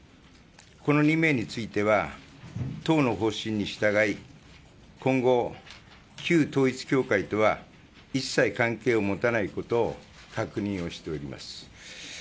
この２名については党の方針に従い今後、旧統一教会とは一切関係を持たないことを確認をしております。